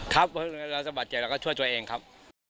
ครับเพื่อปัดเจ็บแล้วก็ช่วยตัวเองครับ